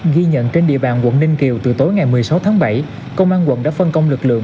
ghi nhận trên địa bàn quận ninh kiều từ tối ngày một mươi sáu tháng bảy công an quận đã phân công lực lượng